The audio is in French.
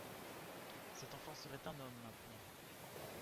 Cet enfant serait un homme maintenant.